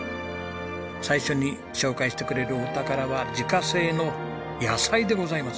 最初に紹介してくれるお宝は自家製の野菜でございます。